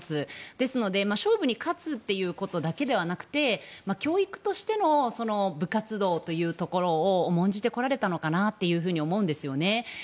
ですので勝負に勝つということだけではなくて教育としての部活動というところを重んじてこられたのかなと思うんですよね。